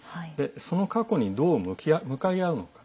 その過去に、どう向かい合うのか。